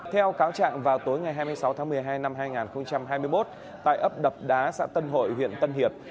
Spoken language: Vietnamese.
theo cáo trạng vào tối ngày hai mươi sáu tháng một mươi hai năm hai nghìn hai mươi một tại ấp đập đá xã tân hội huyện tân hiệp